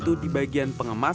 sudah hampir sepuluh tahun